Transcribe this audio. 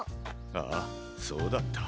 ああそうだった。